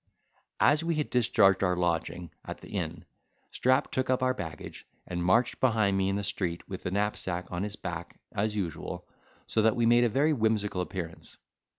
As we had discharged our lodging at the inn, Strap took up our baggage and, marched behind me in the street with the knapsack on his back, as usual, so that we made a very whimsical appearance.